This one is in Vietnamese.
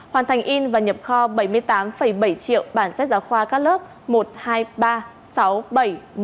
hoàn thành in và nhập kho bảy mươi tám bảy triệu bản sách giáo khoa các lớp một trăm hai mươi ba sáu bảy một mươi